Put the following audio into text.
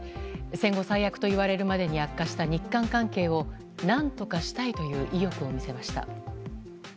戦後最悪と言われるまでに悪化した日韓関係を何とかしたいという意欲を見せました。